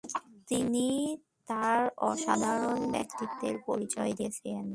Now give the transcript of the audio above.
তিনি তার অসাধারণ ব্যক্তিত্বের পরিচয় দিয়েছেন।